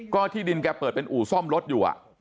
ก็ที่ดินแกเปิดเป็นอู่ซ่อมรถอยู่